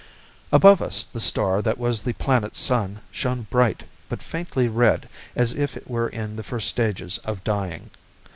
Above us the star that was this planet's sun shown bright but faintly red as if it were in the first stages of dying.